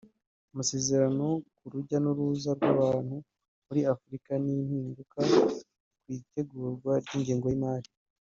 amasezerano ku rujya n’uruza rw’abantu muri Afurika n’impinduka mu itegurwa ry’ingengo y’imari